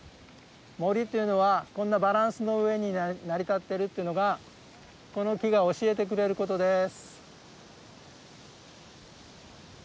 森というのはこんなバランスの上に成り立ってるってのがこの木が教えてくれることです。